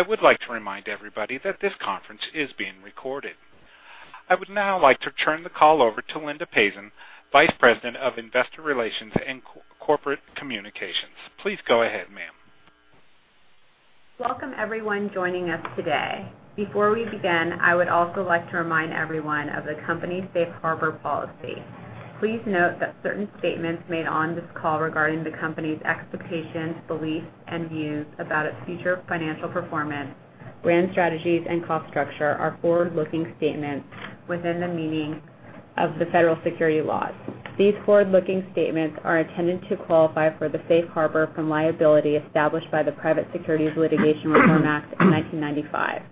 I would like to remind everybody that this conference is being recorded. I would now like to turn the call over to Linda Pazan, Vice President of Investor Relations and Corporate Communications. Please go ahead, ma'am. Welcome, everyone joining us today. Before we begin, I would also like to remind everyone of the company's safe harbor policy. Please note that certain statements made on this call regarding the company's expectations, beliefs, and views about its future financial performance, brand strategies, and cost structure are forward-looking statements within the meaning of the federal securities laws. These forward-looking statements are intended to qualify for the safe harbor from liability established by the Private Securities Litigation Reform Act of 1995.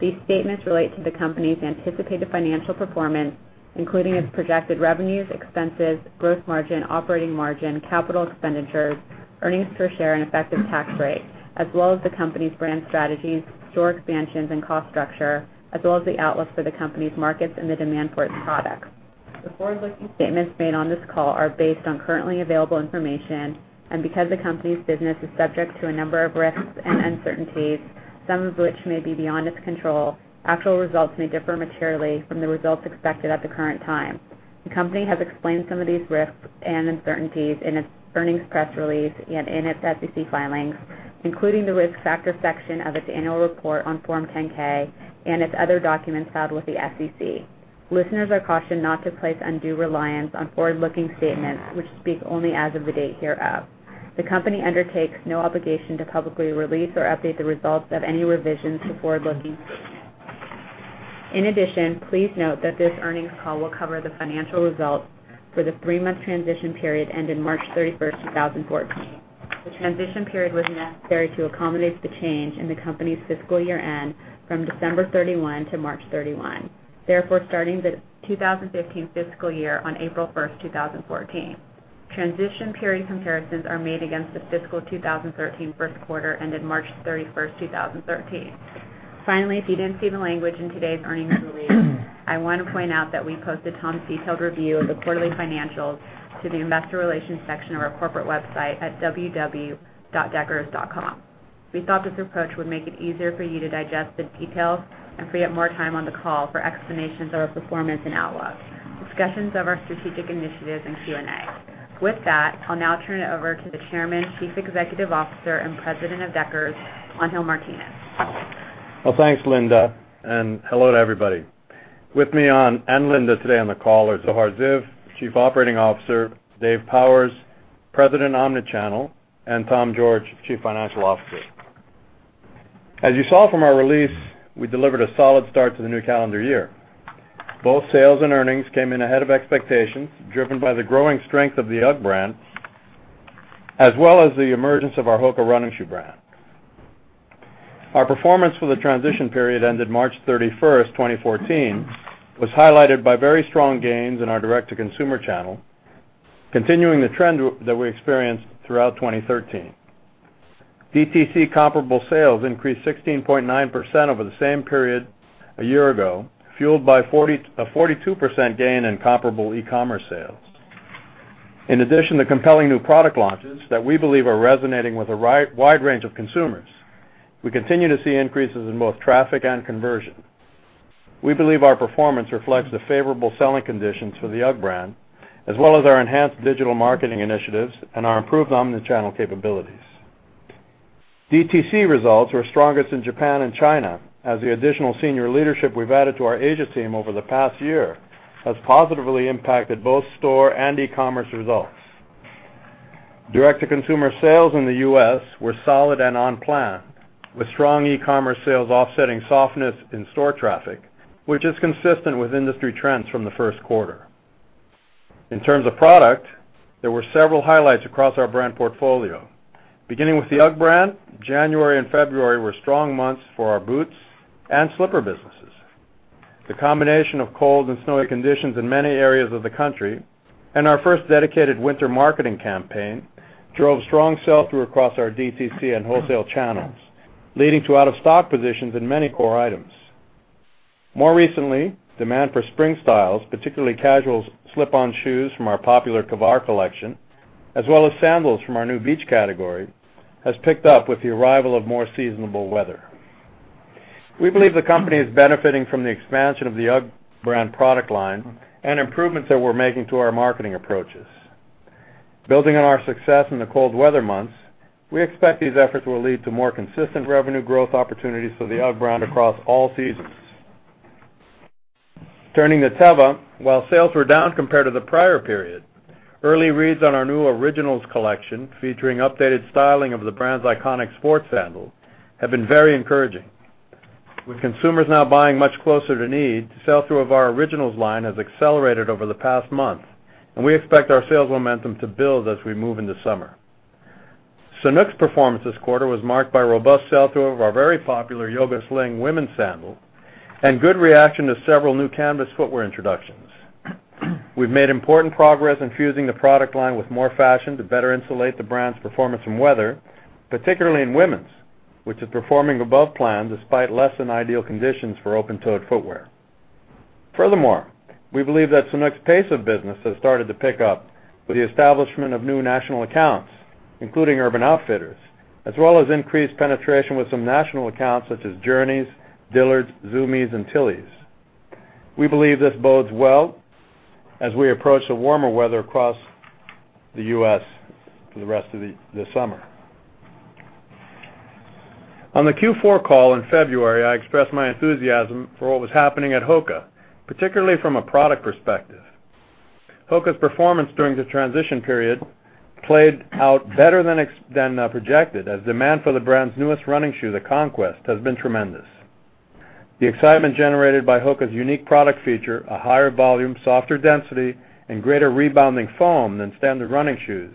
These statements relate to the company's anticipated financial performance, including its projected revenues, expenses, growth margin, operating margin, capital expenditures, earnings per share, and effective tax rate, as well as the company's brand strategies, store expansions, and cost structure, as well as the outlook for the company's markets and the demand for its products. The forward-looking statements made on this call are based on currently available information, because the company's business is subject to a number of risks and uncertainties, some of which may be beyond its control, actual results may differ materially from the results expected at the current time. The company has explained some of these risks and uncertainties in its earnings press release and in its SEC filings, including the Risk Factors section of its annual report on Form 10-K and its other documents filed with the SEC. Listeners are cautioned not to place undue reliance on forward-looking statements, which speak only as of the date hereof. The company undertakes no obligation to publicly release or update the results of any revisions to forward-looking statements. In addition, please note that this earnings call will cover the financial results for the three-month Transition Period ended March 31st, 2014. The Transition Period was necessary to accommodate the change in the company's fiscal year end from December 31 to March 31, therefore starting the 2015 fiscal year on April 1st, 2014. Transition Period comparisons are made against the fiscal 2013 first quarter ended March 31st, 2013. Finally, if you didn't see the language in today's earnings release, I want to point out that we posted Tom's detailed review of the quarterly financials to the Investor Relations section of our corporate website at www.deckers.com. We thought this approach would make it easier for you to digest the details and free up more time on the call for explanations of our performance and outlook, discussions of our strategic initiatives, and Q&A. With that, I'll now turn it over to the Chairman, Chief Executive Officer, and President of Deckers, Angel Martinez. Well, thanks, Linda, and hello to everybody. With me and Linda today on the call are Zohar Ziv, Chief Operating Officer, Dave Powers, President, Omnichannel, and Tom George, Chief Financial Officer. As you saw from our release, we delivered a solid start to the new calendar year. Both sales and earnings came in ahead of expectations, driven by the growing strength of the UGG brand, as well as the emergence of our HOKA running shoe brand. Our performance for the Transition Period ended March 31st, 2014, was highlighted by very strong gains in our direct-to-consumer channel, continuing the trend that we experienced throughout 2013. DTC comparable sales increased 16.9% over the same period a year ago, fueled by a 42% gain in comparable e-commerce sales. In addition to compelling new product launches that we believe are resonating with a wide range of consumers, we continue to see increases in both traffic and conversion. We believe our performance reflects the favorable selling conditions for the UGG brand, as well as our enhanced digital marketing initiatives and our improved omnichannel capabilities. DTC results were strongest in Japan and China as the additional senior leadership we've added to our Asia team over the past year has positively impacted both store and e-commerce results. Direct-to-consumer sales in the U.S. were solid and on plan, with strong e-commerce sales offsetting softness in store traffic, which is consistent with industry trends from the first quarter. In terms of product, there were several highlights across our brand portfolio. Beginning with the UGG brand, January and February were strong months for our boots and slipper businesses. The combination of cold and snowy conditions in many areas of the country and our first dedicated winter marketing campaign drove strong sell-through across our DTC and wholesale channels, leading to out-of-stock positions in many core items. More recently, demand for spring styles, particularly casual slip-on shoes from our popular Kavar collection, as well as sandals from our new Beach category, has picked up with the arrival of more seasonable weather. We believe the company is benefiting from the expansion of the UGG brand product line and improvements that we're making to our marketing approaches. Building on our success in the cold weather months, we expect these efforts will lead to more consistent revenue growth opportunities for the UGG brand across all seasons. Turning to Teva, while sales were down compared to the prior period, early reads on our new Originals collection, featuring updated styling of the brand's iconic sports sandal, have been very encouraging. With consumers now buying much closer to need, sell-through of our Originals line has accelerated over the past month, and we expect our sales momentum to build as we move into summer. Sanuk's performance this quarter was marked by robust sell-through of our very popular Yoga Sling women's sandal and good reaction to several new canvas footwear introductions. We've made important progress in fusing the product line with more fashion to better insulate the brand's performance from weather, particularly in women's, which is performing above plan despite less than ideal conditions for open-toed footwear. Furthermore, we believe that Sanuk's pace of business has started to pick up with the establishment of new national accounts, including Urban Outfitters, as well as increased penetration with some national accounts such as Journeys, Dillard's, Zumiez, and Tillys. We believe this bodes well as we approach the warmer weather across the U.S. for the rest of the summer. On the Q4 call in February, I expressed my enthusiasm for what was happening at HOKA, particularly from a product perspective. HOKA's performance during the Transition Period played out better than projected, as demand for the brand's newest running shoe, the Conquest, has been tremendous. The excitement generated by HOKA's unique product feature, a higher volume, softer density, and greater rebounding foam than standard running shoes,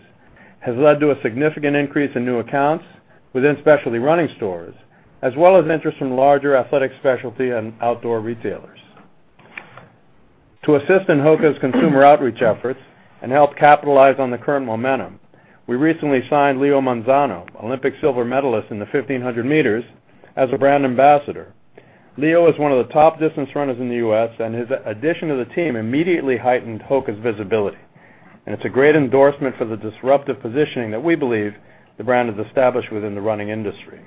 has led to a significant increase in new accounts within specialty running stores, as well as interest from larger athletic specialty and outdoor retailers. To assist in HOKA's consumer outreach efforts and help capitalize on the current momentum, we recently signed Leo Manzano, Olympic silver medalist in the 1,500 meters, as a brand ambassador. Leo is one of the top distance runners in the U.S., and his addition to the team immediately heightened HOKA's visibility. It's a great endorsement for the disruptive positioning that we believe the brand has established within the running industry.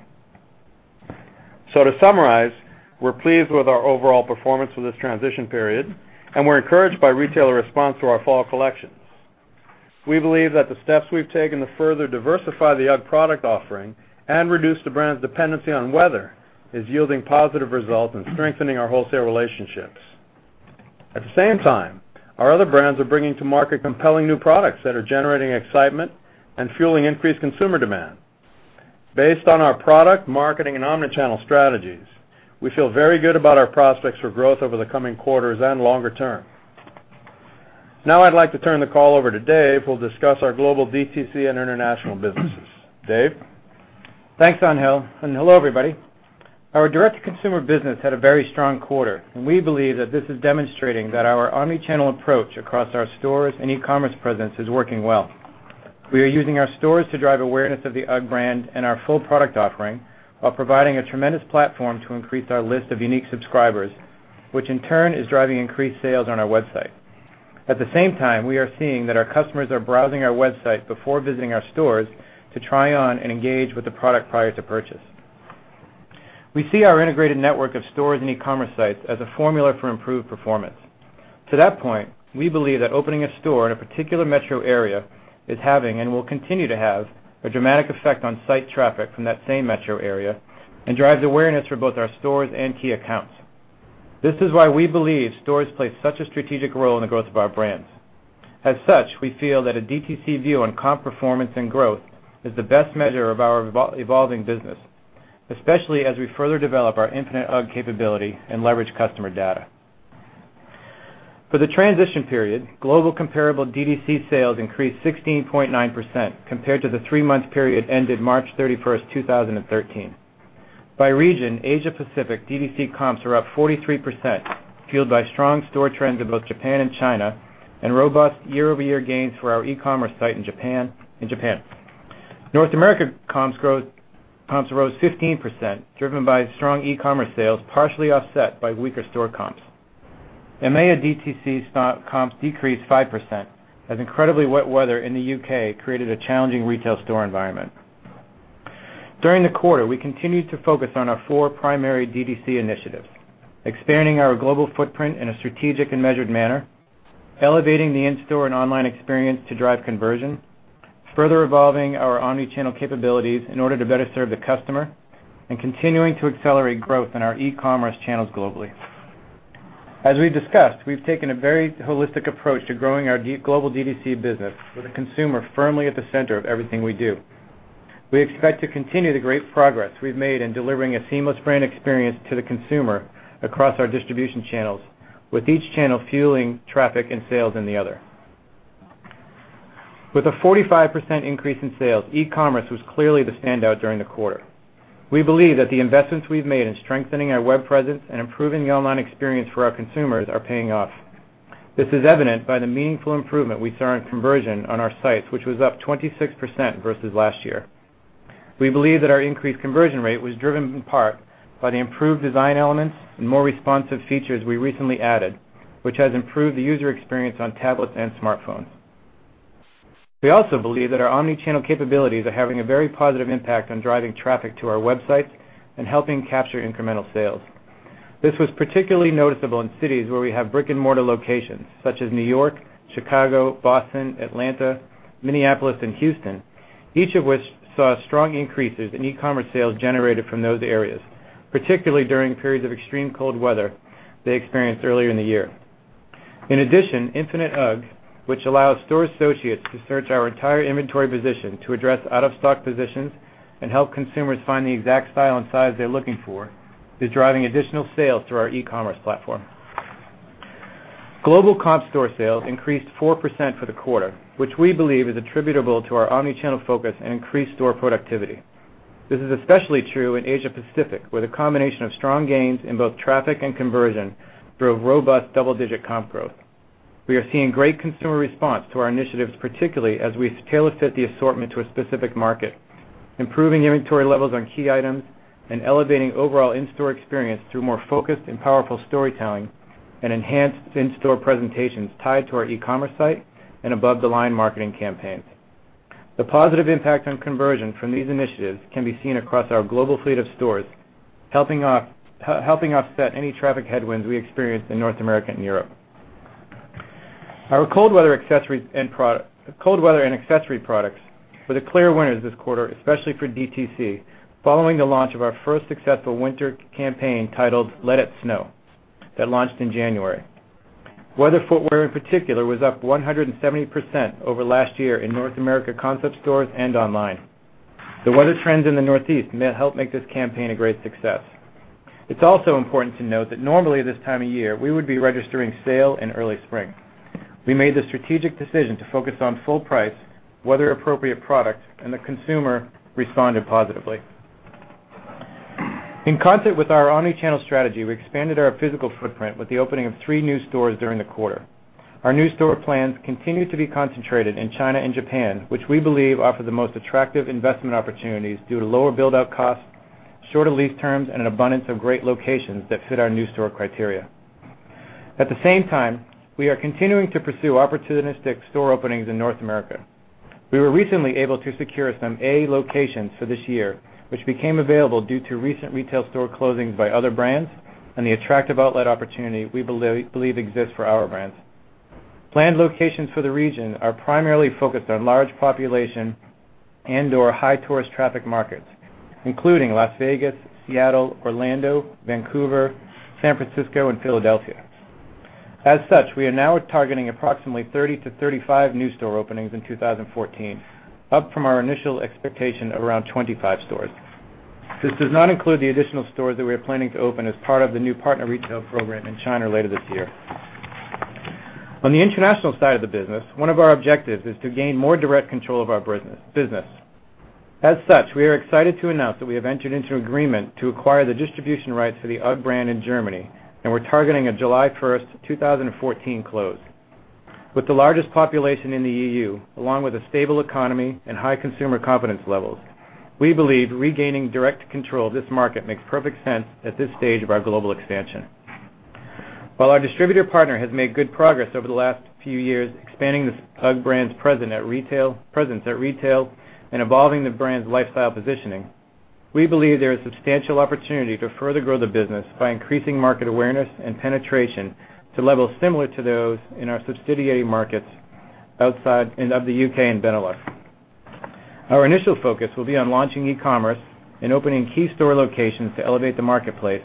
To summarize, we're pleased with our overall performance for this Transition Period, and we're encouraged by retailer response to our fall collections. We believe that the steps we've taken to further diversify the UGG product offering and reduce the brand's dependency on weather is yielding positive results and strengthening our wholesale relationships. At the same time, our other brands are bringing to market compelling new products that are generating excitement and fueling increased consumer demand. Based on our product, marketing, and omnichannel strategies, we feel very good about our prospects for growth over the coming quarters and longer term. Now I'd like to turn the call over to Dave, who'll discuss our global DTC and international businesses. Dave? Thanks, Angel. Hello, everybody. Our direct-to-consumer business had a very strong quarter, and we believe that this is demonstrating that our omnichannel approach across our stores and e-commerce presence is working well. We are using our stores to drive awareness of the UGG brand and our full product offering while providing a tremendous platform to increase our list of unique subscribers, which in turn is driving increased sales on our website. At the same time, we are seeing that our customers are browsing our website before visiting our stores to try on and engage with the product prior to purchase. We see our integrated network of stores and e-commerce sites as a formula for improved performance. To that point, we believe that opening a store in a particular metro area is having, and will continue to have, a dramatic effect on site traffic from that same metro area and drives awareness for both our stores and key accounts. This is why we believe stores play such a strategic role in the growth of our brands. As such, we feel that a DTC view on comp performance and growth is the best measure of our evolving business, especially as we further develop our Infinite UGG capability and leverage customer data. For the Transition Period, global comparable DTC sales increased 16.9% compared to the three-month period ended March 31st, 2013. By region, Asia Pacific DTC comps are up 43%, fueled by strong store trends in both Japan and China and robust year-over-year gains for our e-commerce site in Japan. North America comps rose 15%, driven by strong e-commerce sales, partially offset by weaker store comps. EMEA DTC comps decreased 5% as incredibly wet weather in the U.K. created a challenging retail store environment. During the quarter, we continued to focus on our four primary DTC initiatives, expanding our global footprint in a strategic and measured manner, elevating the in-store and online experience to drive conversion, further evolving our omnichannel capabilities in order to better serve the customer, and continuing to accelerate growth in our e-commerce channels globally. As we discussed, we've taken a very holistic approach to growing our global DTC business with the consumer firmly at the center of everything we do. We expect to continue the great progress we've made in delivering a seamless brand experience to the consumer across our distribution channels, with each channel fueling traffic and sales in the other. With a 45% increase in sales, e-commerce was clearly the standout during the quarter. We believe that the investments we've made in strengthening our web presence and improving the online experience for our consumers are paying off. This is evident by the meaningful improvement we saw in conversion on our sites, which was up 26% versus last year. We believe that our increased conversion rate was driven in part by the improved design elements and more responsive features we recently added, which has improved the user experience on tablets and smartphones. We also believe that our omnichannel capabilities are having a very positive impact on driving traffic to our websites and helping capture incremental sales. This was particularly noticeable in cities where we have brick-and-mortar locations, such as N.Y., Chicago, Boston, Atlanta, Minneapolis, and Houston, each of which saw strong increases in e-commerce sales generated from those areas, particularly during periods of extreme cold weather they experienced earlier in the year. In addition, Infinite UGG, which allows store associates to search our entire inventory position to address out-of-stock positions and help consumers find the exact style and size they're looking for, is driving additional sales through our e-commerce platform. Global comp store sales increased 4% for the quarter, which we believe is attributable to our omnichannel focus and increased store productivity. This is especially true in Asia Pacific, where the combination of strong gains in both traffic and conversion drove robust double-digit comp growth. We are seeing great consumer response to our initiatives, particularly as we've tailor-fit the assortment to a specific market, improving inventory levels on key items, and elevating overall in-store experience through more focused and powerful storytelling and enhanced in-store presentations tied to our e-commerce site and above-the-line marketing campaigns. The positive impact on conversion from these initiatives can be seen across our global fleet of stores, helping offset any traffic headwinds we experienced in North America and Europe. Our cold weather and accessory products were the clear winners this quarter, especially for DTC, following the launch of our first successful winter campaign titled "Let It Snow" that launched in January. Weather footwear in particular was up 170% over last year in North America concept stores and online. The weather trends in the Northeast helped make this campaign a great success. It's also important to note that normally this time of year, we would be registering sale and early spring. We made the strategic decision to focus on full price, weather-appropriate products, and the consumer responded positively. In concert with our omnichannel strategy, we expanded our physical footprint with the opening of three new stores during the quarter. Our new store plans continue to be concentrated in China and Japan, which we believe offer the most attractive investment opportunities due to lower build-out costs, shorter lease terms, and an abundance of great locations that fit our new store criteria. At the same time, we are continuing to pursue opportunistic store openings in North America. We were recently able to secure some A locations for this year, which became available due to recent retail store closings by other brands and the attractive outlet opportunity we believe exists for our brands. Planned locations for the region are primarily focused on large population and/or high tourist traffic markets, including Las Vegas, Seattle, Orlando, Vancouver, San Francisco, and Philadelphia. As such, we are now targeting approximately 30-35 new store openings in 2014, up from our initial expectation of around 25 stores. This does not include the additional stores that we are planning to open as part of the new partner retail program in China later this year. On the international side of the business, one of our objectives is to gain more direct control of our business. As such, we are excited to announce that we have entered into an agreement to acquire the distribution rights for the UGG brand in Germany, and we're targeting a July 1st, 2014 close. With the largest population in the EU, along with a stable economy and high consumer confidence levels, we believe regaining direct control of this market makes perfect sense at this stage of our global expansion. While our distributor partner has made good progress over the last few years expanding the UGG brand's presence at retail and evolving the brand's lifestyle positioning, we believe there is substantial opportunity to further grow the business by increasing market awareness and penetration to levels similar to those in our subsidy markets outside of the U.K. and Benelux. Our initial focus will be on launching e-commerce and opening key store locations to elevate the marketplace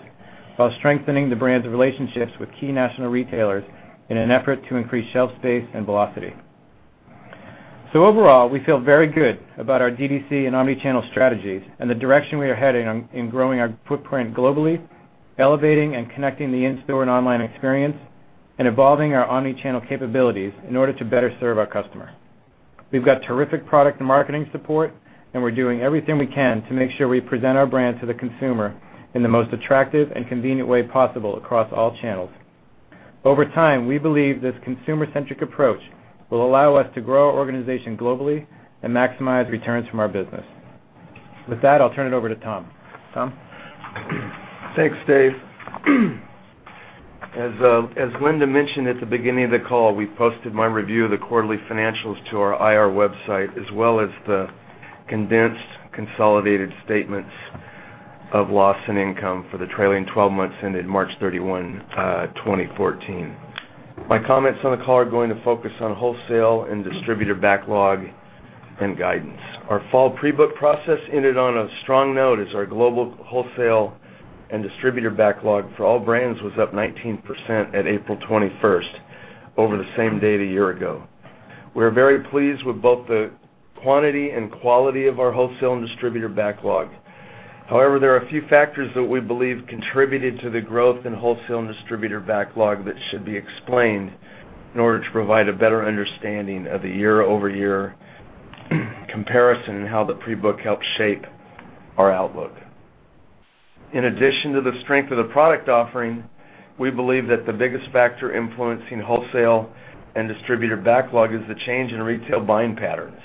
while strengthening the brand's relationships with key national retailers in an effort to increase shelf space and velocity. overall, we feel very good about our DTC and omni-channel strategies and the direction we are heading in growing our footprint globally, elevating and connecting the in-store and online experience, and evolving our omni-channel capabilities in order to better serve our customer. We've got terrific product and marketing support, and we're doing everything we can to make sure we present our brand to the consumer in the most attractive and convenient way possible across all channels. Over time, we believe this consumer-centric approach will allow us to grow our organization globally and maximize returns from our business. With that, I'll turn it over to Tom. Tom? Thanks, Dave. As Linda mentioned at the beginning of the call, we posted my review of the quarterly financials to our IR website, as well as the condensed consolidated statements of loss and income for the trailing 12 months ended March 31, 2014. My comments on the call are going to focus on wholesale and distributor backlog and guidance. Our fall pre-book process ended on a strong note as our global wholesale and distributor backlog for all brands was up 19% at April 21st over the same date a year ago. We are very pleased with both the quantity and quality of our wholesale and distributor backlog. However, there are a few factors that we believe contributed to the growth in wholesale and distributor backlog that should be explained in order to provide a better understanding of the year-over-year comparison and how the pre-book helped shape our outlook. In addition to the strength of the product offering, we believe that the biggest factor influencing wholesale and distributor backlog is the change in retail buying patterns.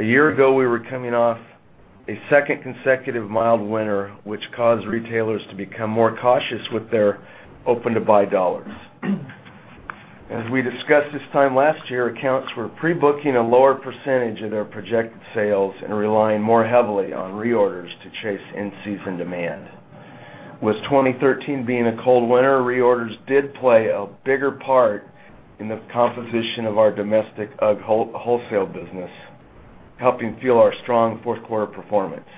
A year ago, we were coming off a second consecutive mild winter, which caused retailers to become more cautious with their open-to-buy dollars. As we discussed this time last year, accounts were pre-booking a lower percentage of their projected sales and relying more heavily on reorders to chase in-season demand. With 2013 being a cold winter, reorders did play a bigger part in the composition of our domestic UGG wholesale business, helping fuel our strong fourth quarter performance.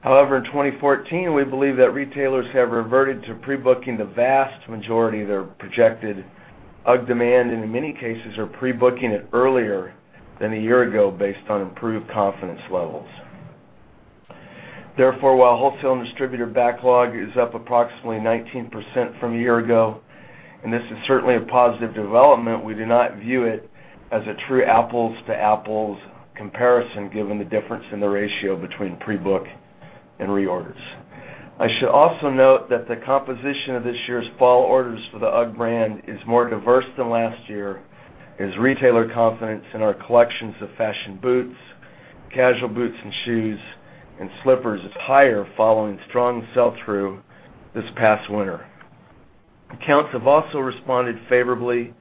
However, in 2014, we believe that retailers have reverted to pre-booking the vast majority of their projected UGG demand, and in many cases are pre-booking it earlier than a year ago based on improved confidence levels. While wholesale and distributor backlog is up approximately 19% from a year ago, and this is certainly a positive development, we do not view it as a true apples-to-apples comparison given the difference in the ratio between pre-book and reorders. I should also note that the composition of this year's fall orders for the UGG brand is more diverse than last year, as retailer confidence in our collections of fashion boots, casual boots and shoes, and slippers is higher following strong sell-through this past winter. Accounts have also responded favorably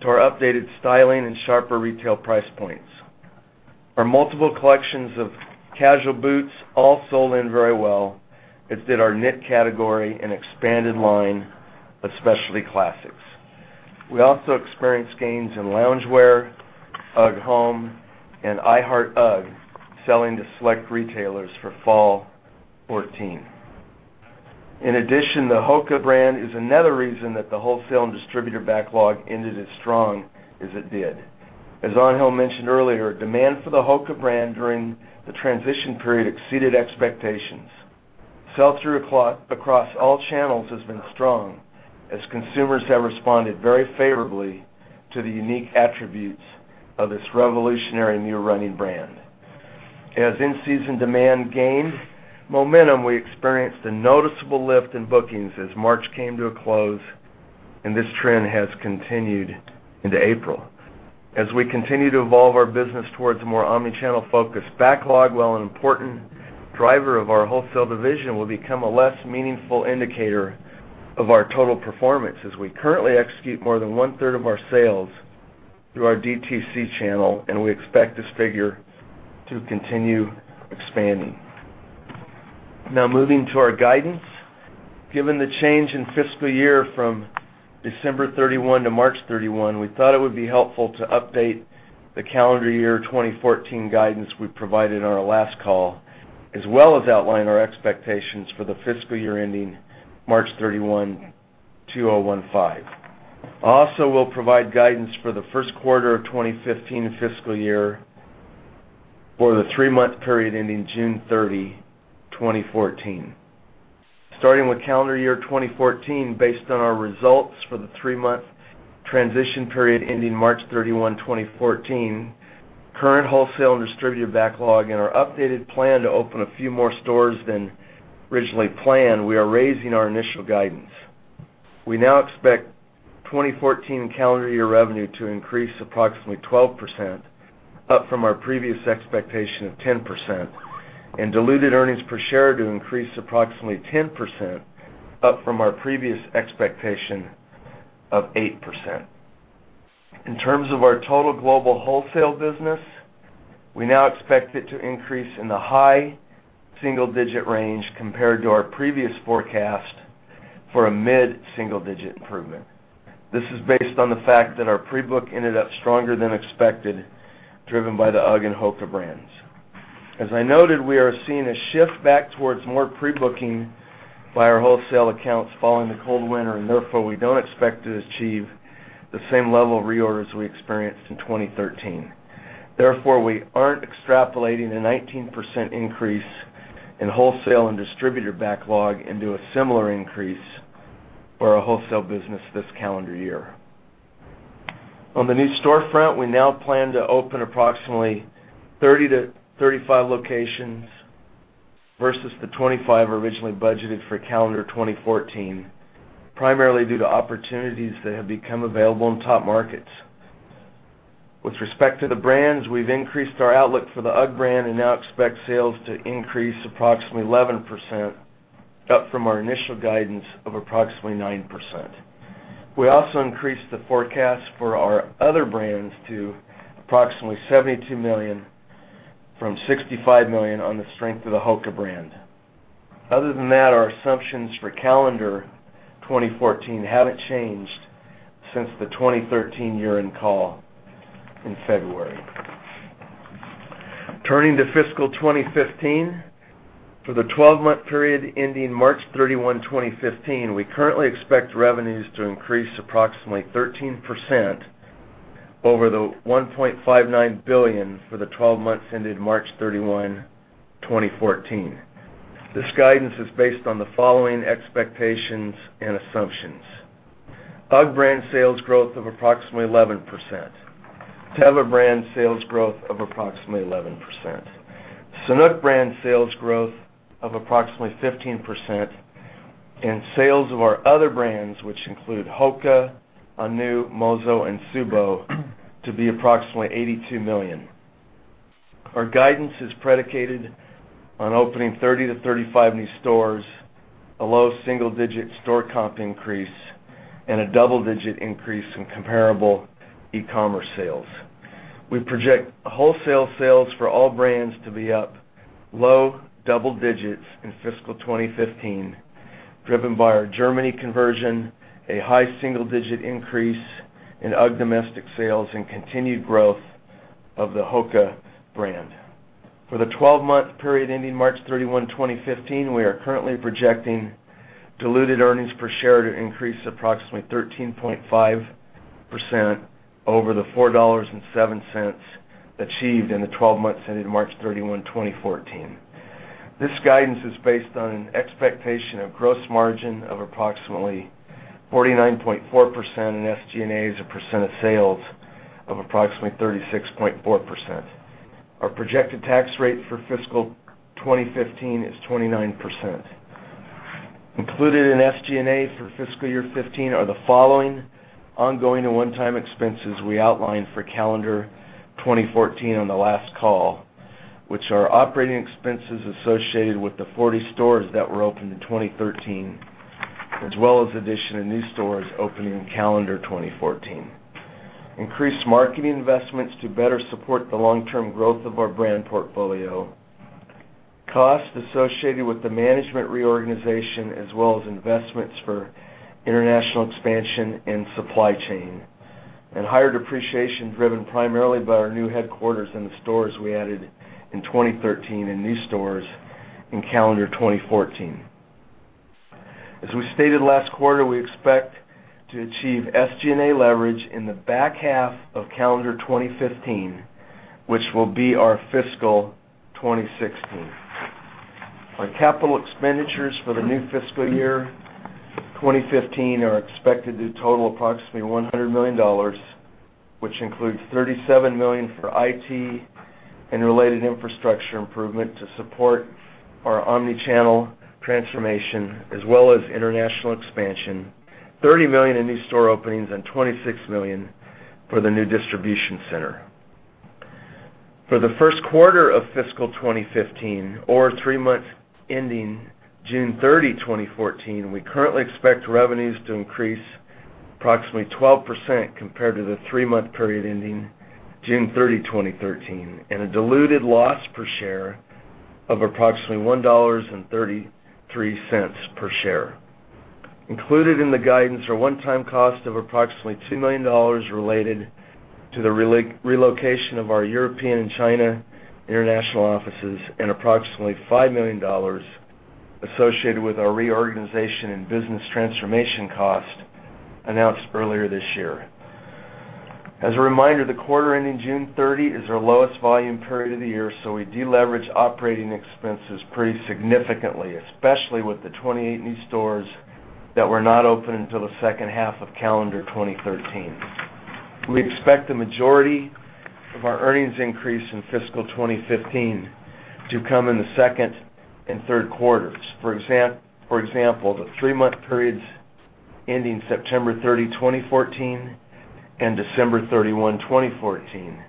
to our updated styling and sharper retail price points. Our multiple collections of casual boots all sold in very well, as did our knit category and expanded line of specialty classics. We also experienced gains in loungewear, UGG Home, and I Heart UGG selling to select retailers for fall 2014. In addition, the HOKA brand is another reason that the wholesale and distributor backlog ended as strong as it did. As Angel mentioned earlier, demand for the HOKA brand during the Transition Period exceeded expectations. Sell-through across all channels has been strong as consumers have responded very favorably to the unique attributes of this revolutionary new running brand. As in-season demand gained momentum, we experienced a noticeable lift in bookings as March came to a close. This trend has continued into April. As we continue to evolve our business towards a more omni-channel focus, backlog, while an important driver of our wholesale division, will become a less meaningful indicator of our total performance, as we currently execute more than one-third of our sales through our DTC channel. We expect this figure to continue expanding. Moving to our guidance. Given the change in fiscal year from December 31 to March 31, we thought it would be helpful to update the calendar year 2014 guidance we provided on our last call, as well as outline our expectations for the fiscal year ending March 31, 2015. We'll provide guidance for the first quarter of 2015 fiscal year for the three-month period ending June 30, 2014. Starting with calendar year 2014, based on our results for the three-month Transition Period ending March 31, 2014, current wholesale and distributor backlog and our updated plan to open a few more stores than originally planned, we are raising our initial guidance. We now expect 2014 calendar year revenue to increase approximately 12%, up from our previous expectation of 10%. Diluted earnings per share to increase approximately 10%, up from our previous expectation of 8%. In terms of our total global wholesale business, we now expect it to increase in the high single-digit range compared to our previous forecast for a mid-single-digit improvement. This is based on the fact that our pre-book ended up stronger than expected, driven by the UGG and HOKA brands. As I noted, we are seeing a shift back towards more pre-booking by our wholesale accounts following the cold winter. We don't expect to achieve the same level of reorders we experienced in 2013. We aren't extrapolating a 19% increase in wholesale and distributor backlog into a similar increase for our wholesale business this calendar year. On the new storefront, we now plan to open approximately 30 to 35 locations versus the 25 originally budgeted for calendar 2014, primarily due to opportunities that have become available in top markets. With respect to the brands, we've increased our outlook for the UGG brand and now expect sales to increase approximately 11%, up from our initial guidance of approximately 9%. We also increased the forecast for our other brands to approximately $72 million from $65 million on the strength of the HOKA brand. Other than that, our assumptions for calendar 2014 haven't changed since the 2013 year-end call in February. Turning to fiscal 2015, for the 12-month period ending March 31, 2015, we currently expect revenues to increase approximately 13% over the $1.59 billion for the 12 months ended March 31, 2014. This guidance is based on the following expectations and assumptions: UGG brand sales growth of approximately 11%, Teva brand sales growth of approximately 11%, Sanuk brand sales growth of approximately 15%. Sales of our other brands, which include HOKA, Ahnu, Mozo, and Tsubo, to be approximately $82 million. Our guidance is predicated on opening 30-35 new stores, a low single-digit store comp increase, and a double-digit increase in comparable e-commerce sales. We project wholesale sales for all brands to be up low double digits in fiscal 2015, driven by our Germany conversion, a high single-digit increase in UGG domestic sales, and continued growth of the HOKA brand. For the 12-month period ending March 31, 2015, we are currently projecting diluted earnings per share to increase approximately 13.5% over the $4.7 achieved in the 12 months ended March 31, 2014. This guidance is based on an expectation of gross margin of approximately 49.4% and SG&A as a percent of sales of approximately 36.4%. Our projected tax rate for fiscal 2015 is 29%. Included in SG&A for fiscal year 2015 are the following ongoing and one-time expenses we outlined for calendar 2014 on the last call, which are operating expenses associated with the 40 stores that were opened in 2013, as well as the addition of new stores opening in calendar 2014. Increased marketing investments to better support the long-term growth of our brand portfolio. Costs associated with the management reorganization, as well as investments for international expansion and supply chain. Higher depreciation driven primarily by our new headquarters and the stores we added in 2013 and new stores in calendar 2014. As we stated last quarter, we expect to achieve SG&A leverage in the back half of calendar 2015, which will be our fiscal 2016. Our capital expenditures for the new fiscal year 2015 are expected to total approximately $100 million, which includes $37 million for IT and related infrastructure improvement to support our omni-channel transformation as well as international expansion, $30 million in new store openings, and $26 million for the new distribution center. For the first quarter of fiscal 2015 or three months ending June 30, 2014, we currently expect revenues to increase approximately 12% compared to the three-month period ending June 30, 2013, and a diluted loss per share of approximately $1.33 per share. Included in the guidance are one-time cost of approximately $2 million related to the relocation of our European and China international offices and approximately $5 million associated with our reorganization and business transformation cost announced earlier this year. As a reminder, the quarter ending June 30 is our lowest volume period of the year, we deleverage operating expenses pretty significantly, especially with the 28 new stores that were not open until the second half of calendar 2013. We expect the majority of our earnings increase in fiscal 2015 to come in the second and third quarters. For example, the three-month periods ending September 30, 2014, and December 31, 2014,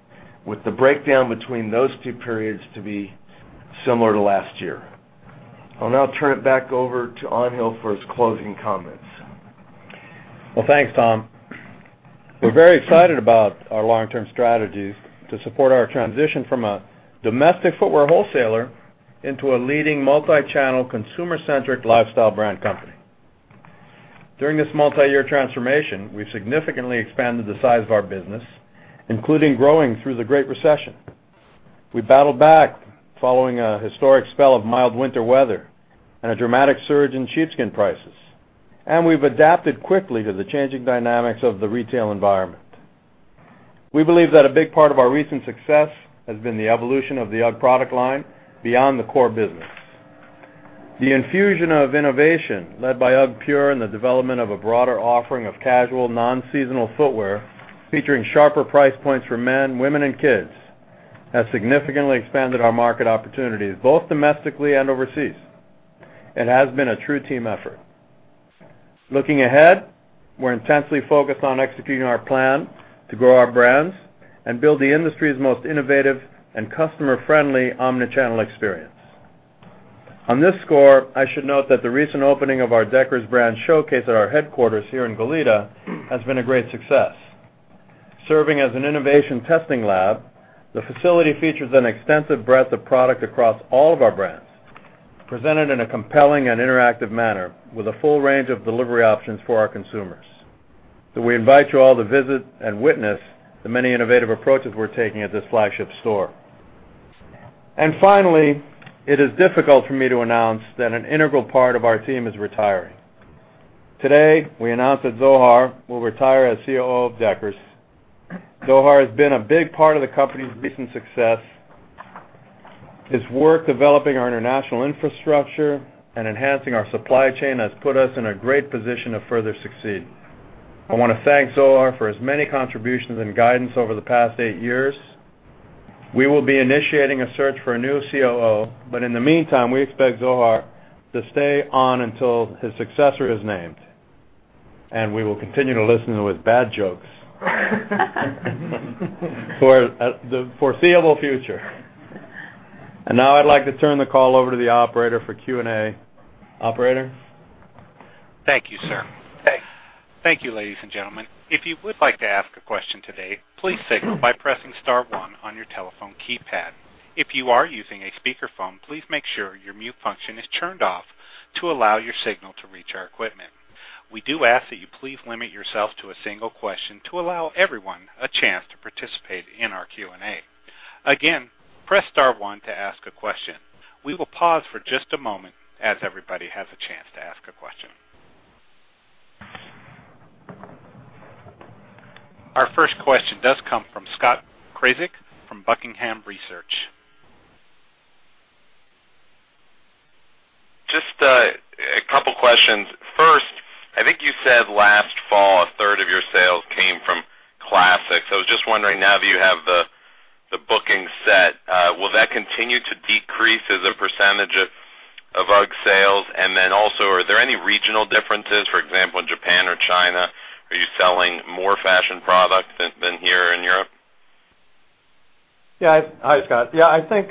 with the breakdown between those two periods to be similar to last year. I'll now turn it back over to Angel for his closing comments. Well, thanks, Tom. We're very excited about our long-term strategies to support our transition from a domestic footwear wholesaler into a leading multi-channel, consumer-centric lifestyle brand company. During this multi-year transformation, we've significantly expanded the size of our business, including growing through the Great Recession. We battled back following a historic spell of mild winter weather and a dramatic surge in sheepskin prices, and we've adapted quickly to the changing dynamics of the retail environment. We believe that a big part of our recent success has been the evolution of the UGG product line beyond the core business. The infusion of innovation led by UGGpure and the development of a broader offering of casual, non-seasonal footwear featuring sharper price points for men, women, and kids, has significantly expanded our market opportunities, both domestically and overseas. It has been a true team effort. Looking ahead, we're intensely focused on executing our plan to grow our brands and build the industry's most innovative and customer-friendly omni-channel experience. On this score, I should note that the recent opening of our Deckers Brand Showcase at our headquarters here in Goleta has been a great success. Serving as an innovation testing lab, the facility features an extensive breadth of product across all of our brands, presented in a compelling and interactive manner with a full range of delivery options for our consumers. We invite you all to visit and witness the many innovative approaches we're taking at this flagship store. Finally, it is difficult for me to announce that an integral part of our team is retiring. Today, we announce that Zohar will retire as COO of Deckers. Zohar has been a big part of the company's recent success. His work developing our international infrastructure and enhancing our supply chain has put us in a great position to further succeed. I want to thank Zohar for his many contributions and guidance over the past eight years. We will be initiating a search for a new COO, in the meantime, we expect Zohar to stay on until his successor is named. We will continue to listen to his bad jokes for the foreseeable future. Now I'd like to turn the call over to the operator for Q&A. Operator? Thank you, sir. Thanks. Thank you, ladies and gentlemen. If you would like to ask a question today, please signal by pressing *1 on your telephone keypad. If you are using a speakerphone, please make sure your mute function is turned off to allow your signal to reach our equipment. We do ask that you please limit yourself to a single question to allow everyone a chance to participate in our Q&A. Again, press *1 to ask a question. We will pause for just a moment as everybody has a chance to ask a question. Our first question does come from Scott Krasik from Buckingham Research. Just a couple questions. First, I think you said last fall, a third of your sales came from classics. I was just wondering, now that you have the bookings set, will that continue to decrease as a percentage of UGG sales? Also, are there any regional differences, for example, in Japan or China? Are you selling more fashion products than here in Europe? Hi, Scott. I think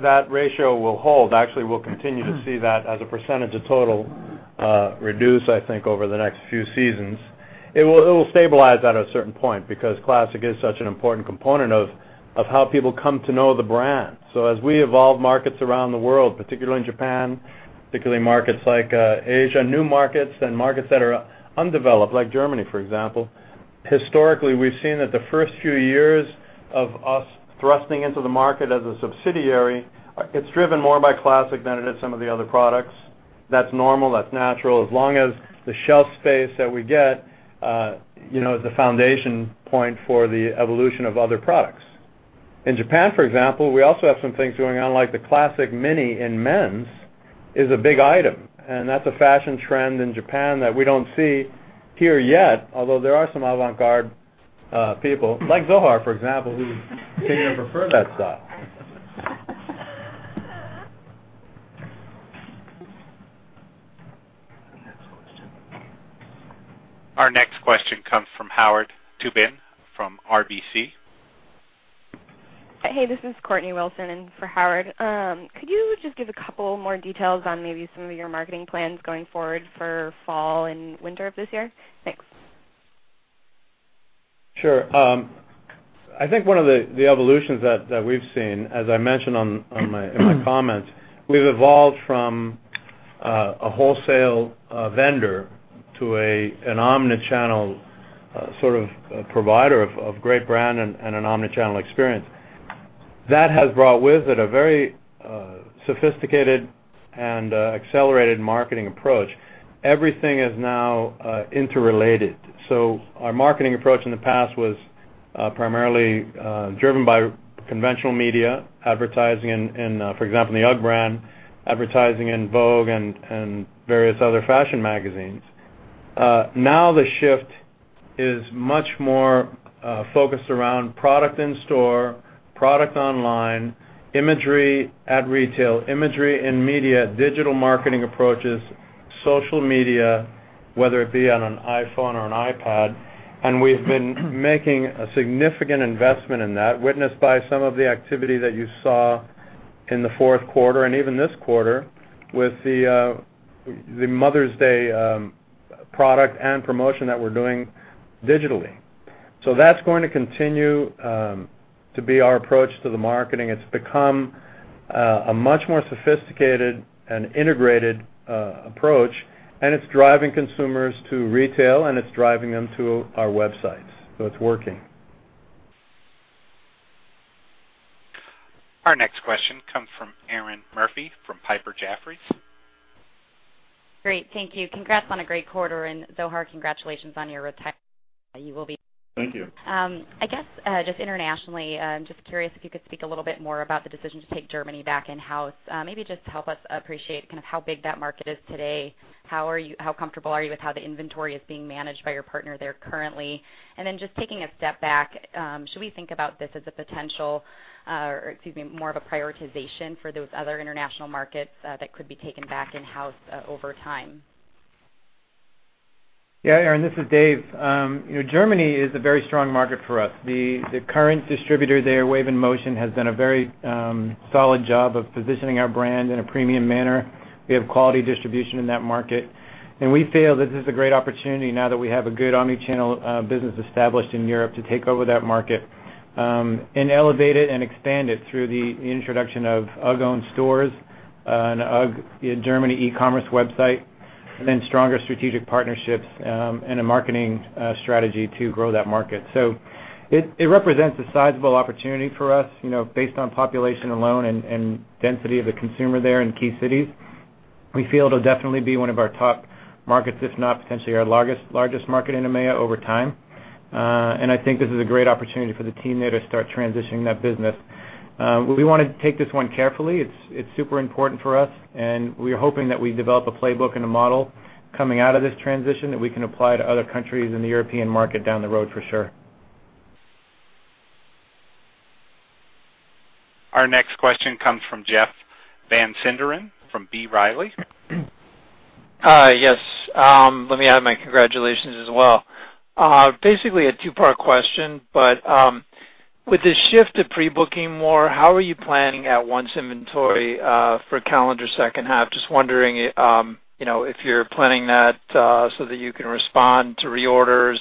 that ratio will hold. Actually, we'll continue to see that as a percentage of total reduce, I think, over the next few seasons. It will stabilize at a certain point because classic is such an important component of how people come to know the brand. As we evolve markets around the world, particularly in Japan, particularly markets like Asia, new markets, and markets that are undeveloped, like Germany, for example, historically, we've seen that the first few years of us thrusting into the market as a subsidiary, it's driven more by classic than it is some of the other products. That's normal, that's natural, as long as the shelf space that we get, is the foundation point for the evolution of other products. In Japan, for example, we also have some things going on, like the classic mini in men's is a big item, and that's a fashion trend in Japan that we don't see here yet, although there are some avant-garde people, like Zohar, for example, who came here for further studies. The next question. Our next question comes from Howard Tubin from RBC. Hey, this is Erinn Kohler in for Howard. Could you just give a couple more details on maybe some of your marketing plans going forward for fall and winter of this year? Thanks. Sure. I think one of the evolutions that we've seen, as I mentioned in my comments, we've evolved from a wholesale vendor to an omnichannel sort of provider of great brand and an omnichannel experience. That has brought with it a very sophisticated and accelerated marketing approach. Everything is now interrelated. Our marketing approach in the past was primarily driven by conventional media advertising in, for example, in the UGG brand, advertising in Vogue and various other fashion magazines. The shift is much more focused around product in store, product online, imagery at retail, imagery in media, digital marketing approaches, social media, whether it be on an iPhone or an iPad. We've been making a significant investment in that, witnessed by some of the activity that you saw in the fourth quarter and even this quarter with the Mother's Day product and promotion that we're doing digitally. That's going to continue to be our approach to the marketing. It's become a much more sophisticated and integrated approach, and it's driving consumers to retail, and it's driving them to our websites. It's working. Our next question comes from Erinn Murphy from Piper Sandler. Great. Thank you. Congrats on a great quarter, and Zohar, congratulations on your retirement. Thank you. I guess, just internationally, I'm just curious if you could speak a little bit more about the decision to take Germany back in-house. Help us appreciate kind of how big that market is today. How comfortable are you with how the inventory is being managed by your partner there currently? Taking a step back, should we think about this as a potential or, excuse me, more of a prioritization for those other international markets that could be taken back in-house over time? Yeah, Erinn, this is Dave. Germany is a very strong market for us. The current distributor there, Wave in Motion, has done a very solid job of positioning our brand in a premium manner. We have quality distribution in that market. We feel this is a great opportunity now that we have a good omnichannel business established in Europe to take over that market and elevate it and expand it through the introduction of UGG-owned stores and UGG Germany e-commerce website, stronger strategic partnerships and a marketing strategy to grow that market. It represents a sizable opportunity for us, based on population alone and density of the consumer there in key cities. We feel it will definitely be one of our top markets, if not potentially our largest market in EMEA over time. I think this is a great opportunity for the team there to start transitioning that business. We want to take this one carefully. It's super important for us. We're hoping that we develop a playbook and a model coming out of this transition that we can apply to other countries in the European market down the road for sure. Our next question comes from Jeff Van Sinderen from B. Riley. Yes. Let me add my congratulations as well. Basically, a two-part question, but with the shift to pre-booking more, how are you planning at once inventory for calendar second half? Just wondering, if you're planning that so that you can respond to reorders,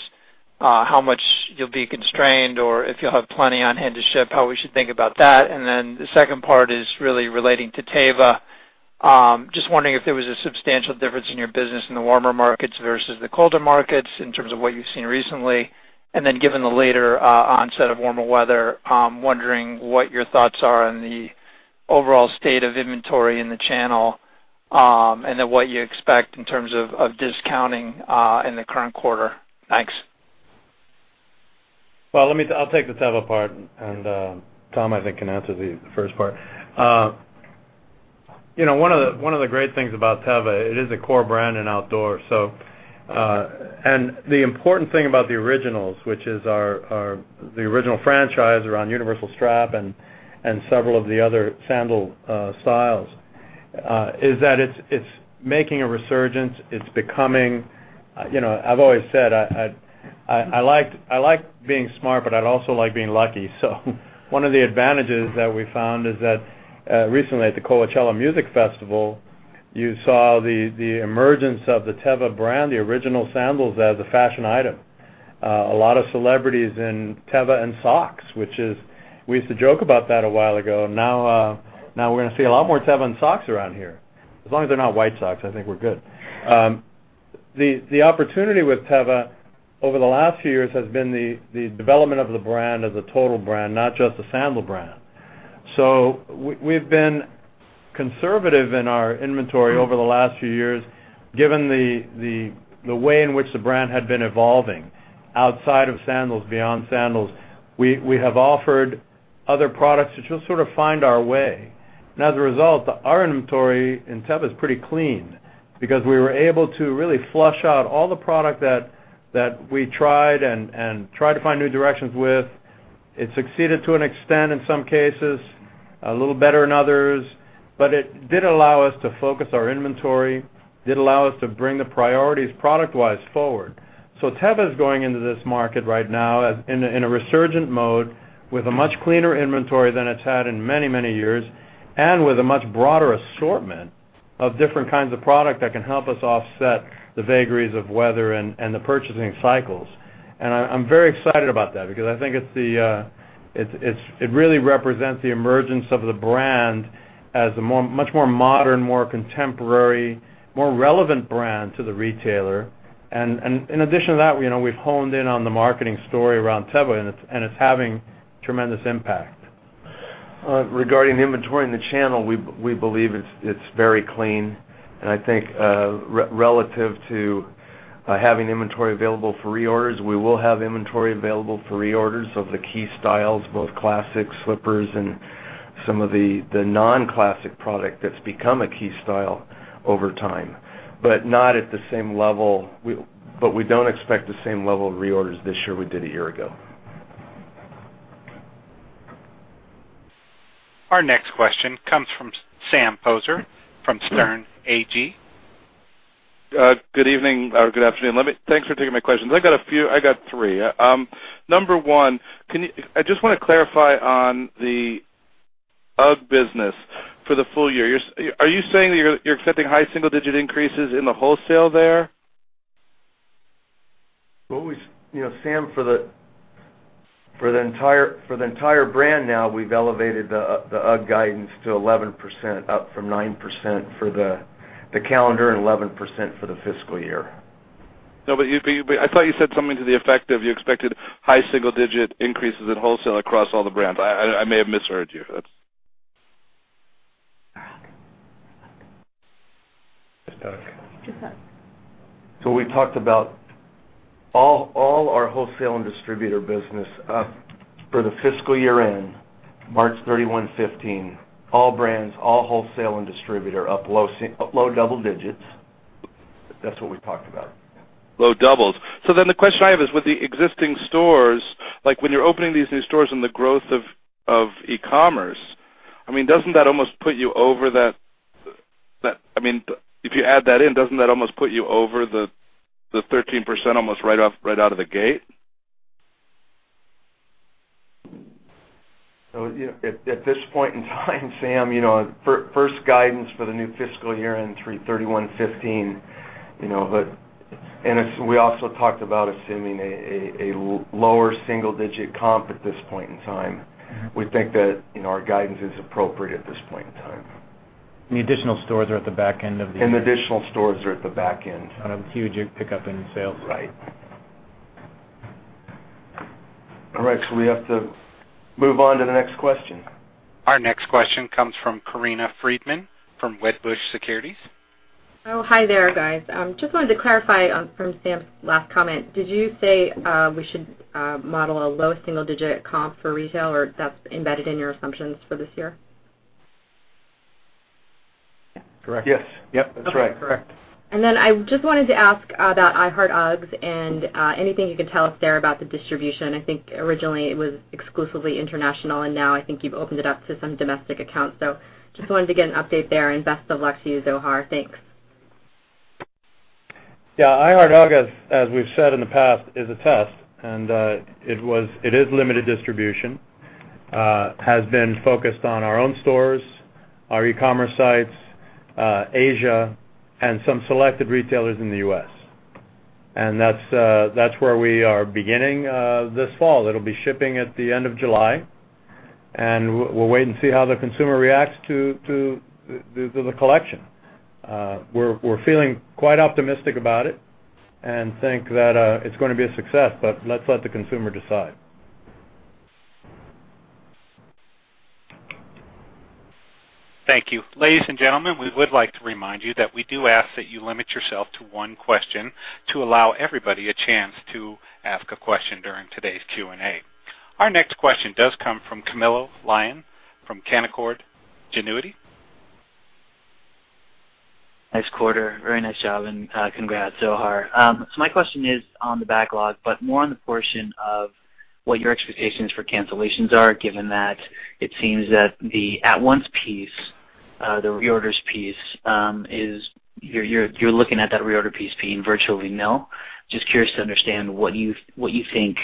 how much you'll be constrained, or if you'll have plenty on hand to ship, how we should think about that. The second part is really relating to Teva. Just wondering if there was a substantial difference in your business in the warmer markets versus the colder markets in terms of what you've seen recently. Given the later onset of warmer weather, I'm wondering what your thoughts are on the overall state of inventory in the channel, and what you expect in terms of discounting in the current quarter. Thanks. Well, I'll take the Teva part, and Tom, I think, can answer the first part. One of the great things about Teva, it is a core brand in outdoor. The important thing about the Originals, which is the original franchise around Universal Strap and several of the other sandal styles, is that it's making a resurgence. I've always said, I like being smart, but I also like being lucky. One of the advantages that we found is that recently at the Coachella Valley Music and Arts Festival, you saw the emergence of the Teva brand, the original sandals, as a fashion item. A lot of celebrities in Teva and socks, which we used to joke about that a while ago. We're going to see a lot more Teva and socks around here. As long as they're not white socks, I think we're good. The opportunity with Teva over the last few years has been the development of the brand as a total brand, not just a sandal brand. We've been conservative in our inventory over the last few years, given the way in which the brand had been evolving outside of sandals, beyond sandals. We have offered other products to just sort of find our way. As a result, our inventory in Teva is pretty clean because we were able to really flush out all the product that we tried and tried to find new directions with. It succeeded to an extent in some cases, a little better in others, but it did allow us to focus our inventory. It did allow us to bring the priorities product-wise forward. Teva is going into this market right now in a resurgent mode with a much cleaner inventory than it's had in many years, and with a much broader assortment of different kinds of product that can help us offset the vagaries of weather and the purchasing cycles. I'm very excited about that because I think it really represents the emergence of the brand as a much more modern, more contemporary, more relevant brand to the retailer. In addition to that, we've honed in on the marketing story around Teva, and it's having tremendous impact. Regarding inventory in the channel, we believe it's very clean. I think relative to having inventory available for reorders, we will have inventory available for reorders of the key styles, both classic slippers and some of the non-classic product that's become a key style over time. We don't expect the same level of reorders this year we did a year ago. Our next question comes from Sam Poser from Sterne Agee. Good evening or good afternoon. Thanks for taking my questions. I got a few. I got three. Number one, I just want to clarify on the UGG business for the full year. Are you saying that you're accepting high single-digit increases in the wholesale there? Sam, for the entire brand now, we've elevated the UGG guidance to 11%, up from 9% for the calendar and 11% for the fiscal year. No, I thought you said something to the effect of you expected high single-digit increases in wholesale across all the brands. I may have misheard you. We talked about all our wholesale and distributor business up for the fiscal year-end, March 31, 2015, all brands, all wholesale and distributor up low double digits. That's what we talked about. Low doubles. The question I have is with the existing stores, like when you're opening these new stores and the growth of e-commerce, if you add that in, doesn't that almost put you over the 13% almost right out of the gate? At this point in time, Sam, first guidance for the new fiscal year-end, 3/31/2015. We also talked about assuming a lower single-digit comp at this point in time. We think that our guidance is appropriate at this point in time. The additional stores are at the back end. The additional stores are at the back end. Kind of huge pick up in sales. Right. All right. We have to move on to the next question. Our next question comes from Corinna Freedman from Wedbush Securities. Oh, hi there, guys. Just wanted to clarify from Sam's last comment. Did you say we should model a low single-digit comp for retail, or that's embedded in your assumptions for this year? Correct. Yes. Yep, that's right. Correct. I just wanted to ask about I Heart UGG and anything you could tell us there about the distribution. I think originally it was exclusively international, and now I think you've opened it up to some domestic accounts. Just wanted to get an update there, and best of luck to you, Zohar. Thanks. Yeah, I Heart UGG, as we've said in the past, is a test, and it is limited distribution. It has been focused on our own stores, our e-commerce sites, Asia, and some selected retailers in the U.S. That's where we are beginning this fall. It'll be shipping at the end of July, and we'll wait and see how the consumer reacts to the collection. We're feeling quite optimistic about it and think that it's going to be a success, but let's let the consumer decide. Thank you. Ladies and gentlemen, we would like to remind you that we do ask that you limit yourself to one question to allow everybody a chance to ask a question during today's Q&A. Our next question does come from Camilo Lyon from Canaccord Genuity. Nice quarter. Very nice job, and congrats, Zohar. My question is on the backlog, but more on the portion of what your expectations for cancellations are, given that it seems that the at-once piece, the reorders piece, you're looking at that reorder piece being virtually nil. Just curious to understand what you think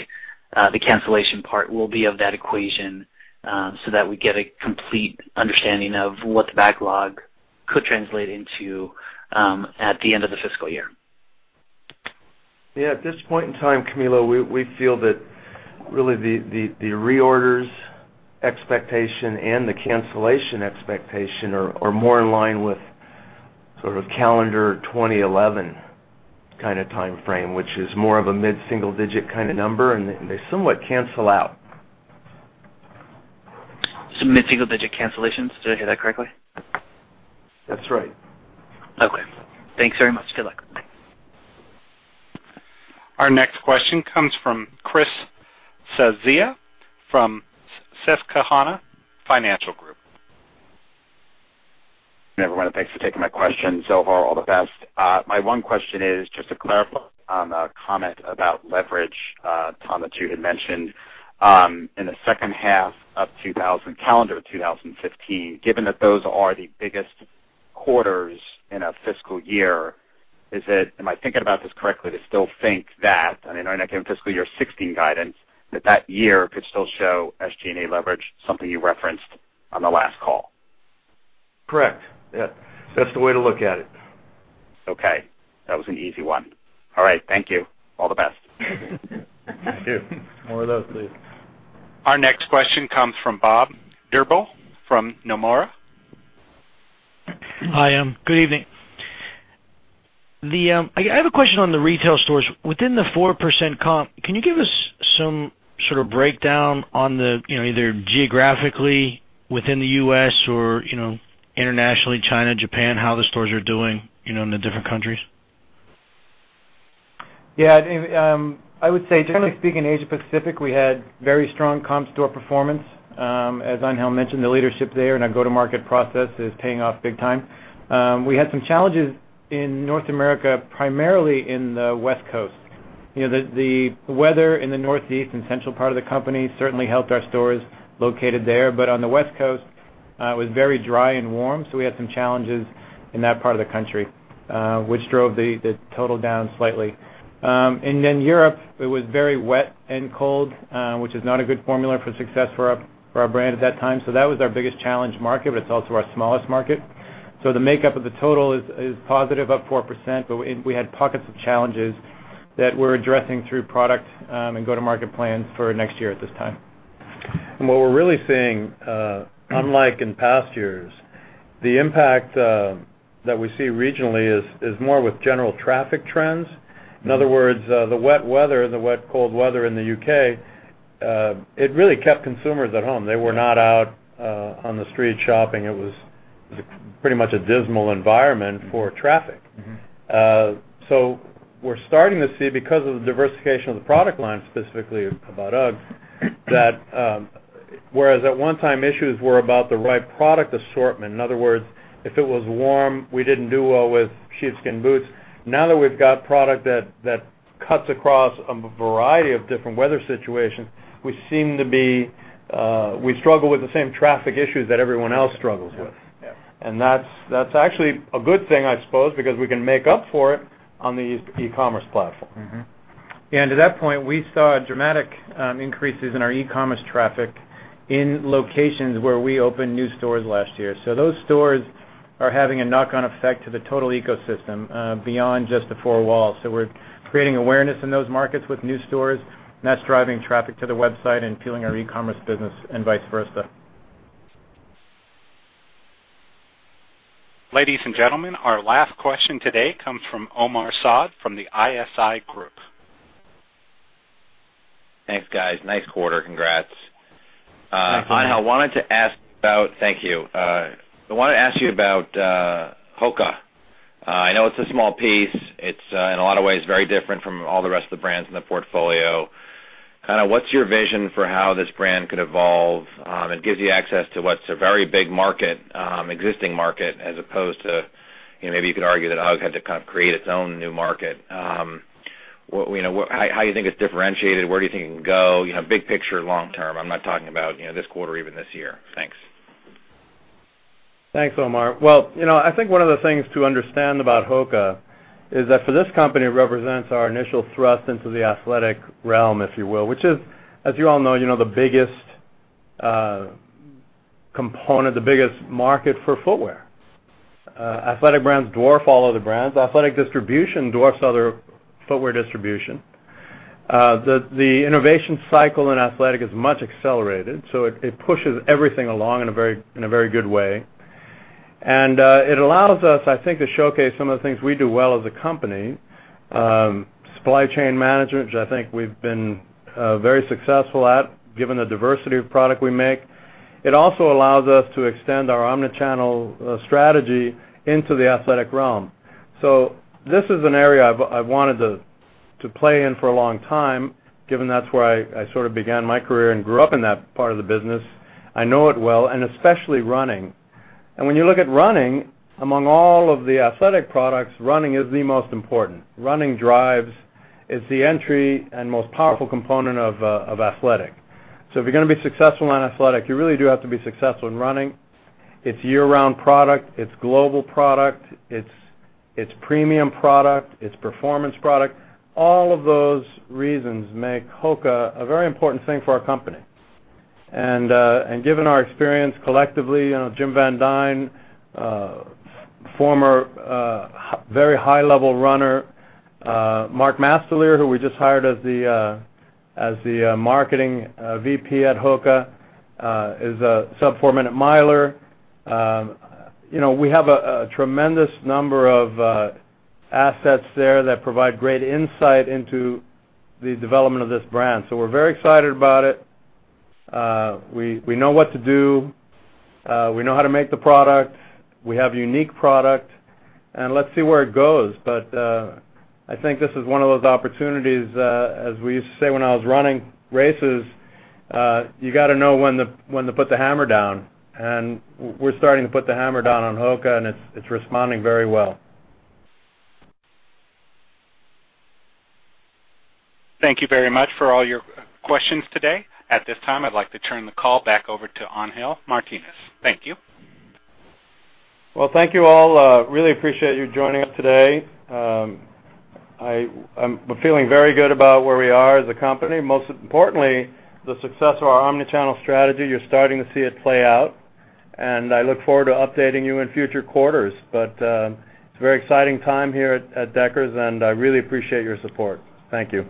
the cancellation part will be of that equation, so that we get a complete understanding of what the backlog could translate into at the end of the fiscal year. Yeah. At this point in time, Camilo, we feel that really the reorders expectation and the cancellation expectation are more in line with sort of calendar 2011 kind of timeframe, which is more of a mid-single digit kind of number, and they somewhat cancel out. mid-single digit cancellations, did I hear that correctly? That's right. Okay. Thanks very much. Good luck. Our next question comes from Christopher Svezia from Susquehanna Financial Group. Everyone, thanks for taking my question. Zohar, all the best. My one question is just to clarify on a comment about leverage, Tom, that you had mentioned in the second half of calendar 2015, given that those are the biggest quarters in a fiscal year, am I thinking about this correctly to still think that, and I know in fiscal year 2016 guidance, that that year could still show SG&A leverage, something you referenced on the last call? Correct. Yeah. That's the way to look at it. Okay. That was an easy one. All right. Thank you. All the best. Thank you. More of those, please. Our next question comes from Bob Drbul from Nomura. Hi. Good evening. I have a question on the retail stores. Within the 4% comp, can you give us some sort of breakdown on the either geographically within the U.S. or internationally, China, Japan, how the stores are doing in the different countries? Yeah, I would say just to speak in Asia Pacific, we had very strong comp store performance. As Angel mentioned, the leadership there and our go-to-market process is paying off big time. We had some challenges in North America, primarily in the West Coast. The weather in the Northeast and Central part of the company certainly helped our stores located there. On the West Coast, it was very dry and warm, so we had some challenges in that part of the country, which drove the total down slightly. Europe, it was very wet and cold, which is not a good formula for success for our brand at that time. That was our biggest challenge market, but it is also our smallest market. The makeup of the total is positive, up 4%, but we had pockets of challenges that we are addressing through product and go-to-market plans for next year at this time. What we're really seeing, unlike in past years, the impact that we see regionally is more with general traffic trends. In other words, the wet weather, the wet cold weather in the U.K., it really kept consumers at home. They were not out on the street shopping. It was pretty much a dismal environment for traffic. We're starting to see, because of the diversification of the product line, specifically about UGG, that whereas at one time, issues were about the right product assortment, in other words, if it was warm, we didn't do well with sheepskin boots. Now that we've got product that cuts across a variety of different weather situations, we struggle with the same traffic issues that everyone else struggles with. Yeah. That's actually a good thing, I suppose, because we can make up for it on the e-commerce platform. To that point, we saw dramatic increases in our e-commerce traffic in locations where we opened new stores last year. Those stores are having a knock-on effect to the total ecosystem beyond just the four walls. We're creating awareness in those markets with new stores, and that's driving traffic to the website and fueling our e-commerce business and vice versa. Ladies and gentlemen, our last question today comes from Omar Saad from Evercore ISI. Thanks, guys. Nice quarter. Congrats. Thanks, Omar. Thank you. I want to ask you about HOKA. I know it's a small piece. It's, in a lot of ways, very different from all the rest of the brands in the portfolio. What's your vision for how this brand could evolve? It gives you access to what's a very big market, existing market, as opposed to maybe you could argue that UGG had to kind of create its own new market. How do you think it's differentiated? Where do you think it can go? Big picture, long term. I'm not talking about this quarter or even this year. Thanks. Thanks, Omar. I think one of the things to understand about HOKA is that for this company, it represents our initial thrust into the athletic realm, if you will, which is, as you all know, the biggest component, the biggest market for footwear. Athletic brands dwarf all other brands. Athletic distribution dwarfs other footwear distribution. The innovation cycle in athletic is much accelerated, so it pushes everything along in a very good way. It allows us, I think, to showcase some of the things we do well as a company supply chain management, which I think we've been very successful at, given the diversity of product we make. It also allows us to extend our omni-channel strategy into the athletic realm. This is an area I've wanted to play in for a long time, given that's where I sort of began my career and grew up in that part of the business. I know it well, especially running. When you look at running, among all of the athletic products, running is the most important. Running drives, it's the entry and most powerful component of athletic. If you're going to be successful in athletic, you really do have to be successful in running. It's year-round product. It's global product. It's premium product. It's performance product. All of those reasons make HOKA a very important thing for our company. Given our experience collectively, Jim Van Dine, former very high-level runner, Mark Mastalir, who we just hired as the marketing VP at HOKA, is a sub four-minute miler. We have a tremendous number of assets there that provide great insight into the development of this brand. We're very excited about it. We know what to do. We know how to make the product. We have unique product. Let's see where it goes. I think this is one of those opportunities, as we used to say when I was running races, you got to know when to put the hammer down, we're starting to put the hammer down on HOKA, and it's responding very well. Thank you very much for all your questions today. At this time, I'd like to turn the call back over to Angel Martinez. Thank you. Well, thank you all. Really appreciate you joining us today. I'm feeling very good about where we are as a company. Most importantly, the success of our omnichannel strategy. You're starting to see it play out, and I look forward to updating you in future quarters. It's a very exciting time here at Deckers, and I really appreciate your support. Thank you.